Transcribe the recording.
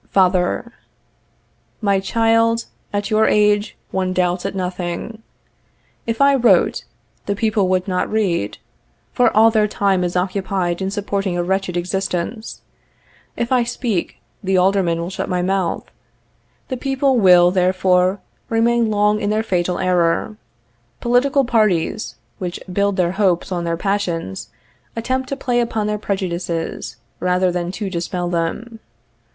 Father. My child, at your age, one doubts at nothing. If I wrote, the people would not read; for all their time is occupied in supporting a wretched existence. If I speak, the Aldermen will shut my mouth. The people will, therefore, remain long in their fatal error; political parties, which build their hopes on their passions, attempt to play upon their prejudices, rather than to dispel them.